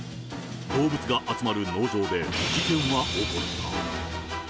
動物が集まる農場で事件は起こった。